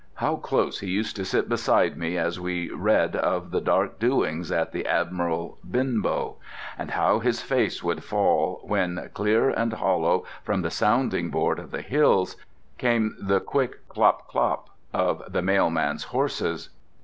How close he used to sit beside me as we read of the dark doings at the Admiral Benbow: and how his face would fall when, clear and hollow from the sounding board of the hills, came the quick clop, clop of the mail man's horses.